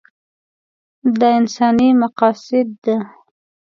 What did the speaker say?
دا انساني مقاصد ده.